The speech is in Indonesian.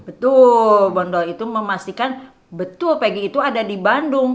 betul bondol itu memastikan betul pg itu ada di bandung